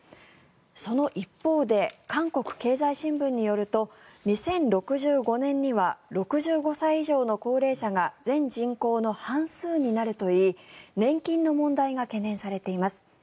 その一方で韓国経済新聞によると２０６５年には６５歳以上の高齢者が全人口の半数になるといい年金の問題が懸念されています。